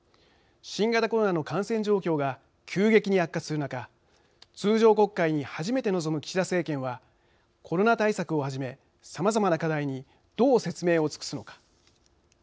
新型コロナの感染状況が急激に悪化する中通常国会に初めて臨む岸田政権はコロナ対策をはじめさまざまな課題にどう説明を尽くすのか。